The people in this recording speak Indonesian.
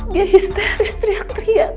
dia histeris teriak teriak